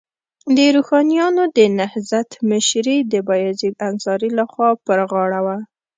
د روښانیانو د نهضت مشري د بایزید انصاري لخوا پر غاړه وه.